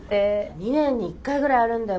２年に１回ぐらいあるんだよ